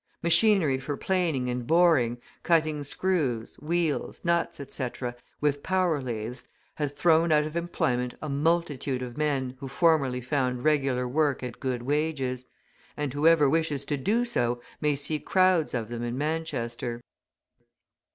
Machinery for planing and boring, cutting screws, wheels, nuts, etc., with power lathes, has thrown out of employment a multitude of men who formerly found regular work at good wages; and whoever wishes to do so may see crowds of them in Manchester.